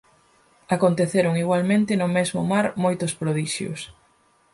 Aconteceron igualmente no mesmo mar moitos prodixios.